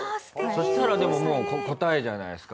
そしたらでももう答えじゃないですか。